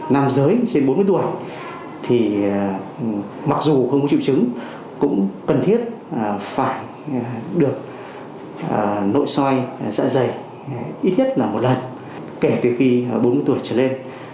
nam giới trên bốn mươi tuổi thì mặc dù không có triệu chứng cũng cần thiết phải được nội soi dạ dày ít nhất là một lần kể từ khi bốn mươi tuổi trở lên